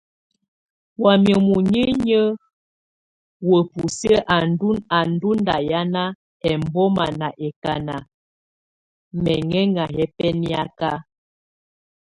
Wamɛ̀á munyinyǝ wa busiǝ́ á nù nda hiana ɛmbɔma ná ɛkana mɛŋɛŋa yɛ bɛniaka.